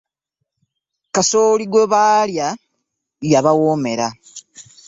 Kasooli gwe baalya yabawoomera.